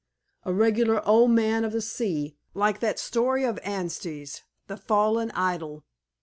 a regular Old Man of the Sea like that story of Anstey's, 'The Fallen Idol.'